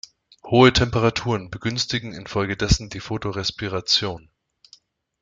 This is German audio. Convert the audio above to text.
Hohe Temperaturen begünstigen infolgedessen die Photorespiration.